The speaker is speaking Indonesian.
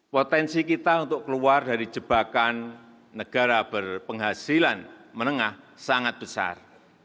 potensi kita untuk keluar dari jebakan negara berpenghasilan menengah sangat besar